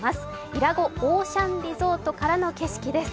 伊良湖オーシャンリゾートからの景色です。